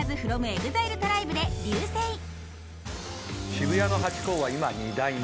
渋谷のハチ公は今二代目。